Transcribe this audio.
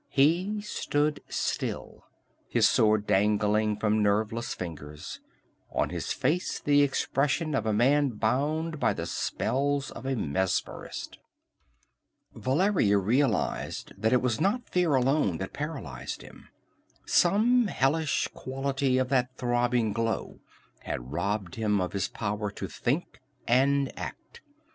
He stood still, his sword dangling from nerveless fingers, on his face the expression of a man bound by the spells of a mesmerist. Valeria realized that it was not fear alone that paralyzed him. Some hellish quality of that throbbing glow had robbed him of his power to think and act.